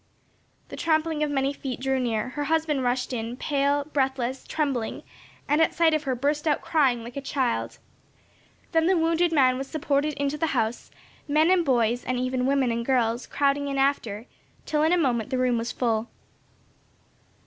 The trampling of many feet drew near, her husband rushed in, pale, breathless, trembling, and at sight of her burst out crying like a child. Then the wounded man was supported into the house, men and boys, and even women and girls crowding in after, till in a moment the room was full.